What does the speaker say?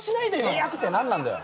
契約って何なんだよ